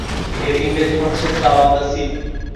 এর ইংরেজি হচ্ছে- 'স্টার অব দ্য সি'।